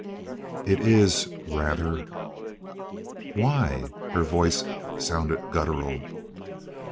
"It is rather." "Why?" Her voice sounded guttural.